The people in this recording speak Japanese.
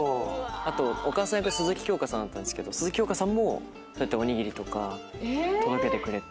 あとお母さん役が鈴木京香さんだったんですけど鈴木京香さんもおにぎりとか届けてくれて。